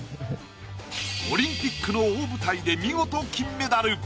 オリンピックの大舞台で見事金メダル。